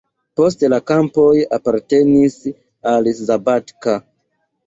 Poste la kampoj apartenis al Szabadka.